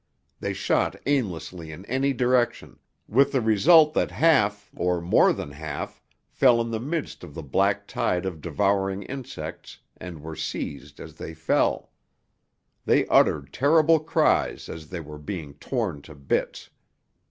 They shot aimlessly in any direction, with the result that half, or more than half, fell in the midst of the black tide of devouring insects and were seized as they fell. They uttered terrible cries as they were being torn to bits.